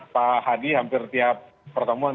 pak hadi hampir tiap pertemuan